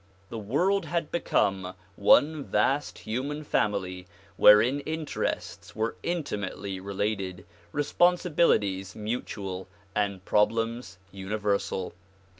The world had become one vast human family wherein interests were intimately related, responsibilities mutual and problems universal.